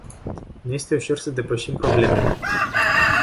Nu este ușor să depășim problemele.